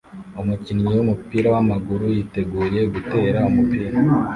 Umukinnyi wumupira wamaguru yiteguye gutera umupira